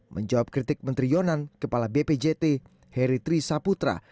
menjawab kritik menteri yonan kepala bpjt heri tri saputra